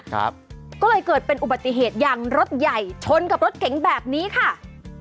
ก็เลยเกิดเป็นอุบัติเหตุอย่างรถใหญ่ชนกับรถเก๋งแบบนี้ค่ะ